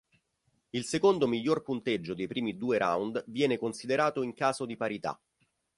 Il secondo miglior punteggio dei primi due round viene considerato in caso di parità.